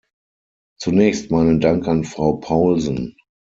Zunächst meinen Dank an Frau Paulsen.